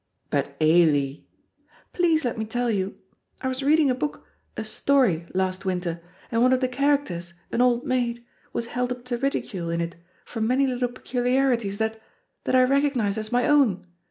"But, Ailie " "Please let me tell you. I was reading a book, a story, last winter, and one of the characters, an old maid, was held up to ridicule in it for many little peculiarities that that I recognized as my own.